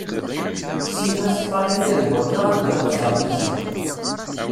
Sima teṭṭal akka d wakka anda ara tẓer Maziɣ.